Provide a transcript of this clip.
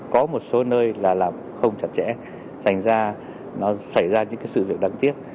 có một số nơi là làm không chặt chẽ thành ra nó xảy ra những sự việc đáng tiếc